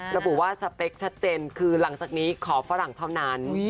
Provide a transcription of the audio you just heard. ระบุว่าสเปคชัดเจนคือหลังจากนี้ขอฝรั่งเท่านั้น